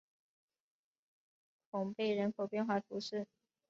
孔贝人口变化图示